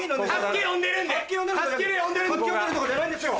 助け呼んでるとかじゃないんですよ！